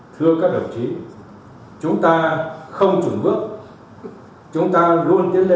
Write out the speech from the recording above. thưa các đồng chí chúng ta không trùng bước chúng ta luôn tiến lên